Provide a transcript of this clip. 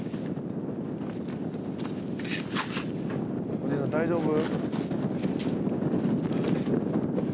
「おじさん大丈夫？」